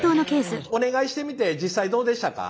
お願いしてみて実際どうでしたか？